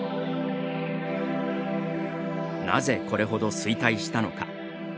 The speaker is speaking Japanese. なぜ、これほど衰退したのか。